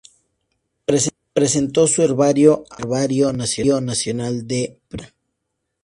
Presentó su herbario al Herbario Nacional, de Pretoria.